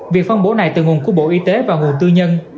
việc phân bổ này từ nguồn của bộ y tế và nguồn tư nhân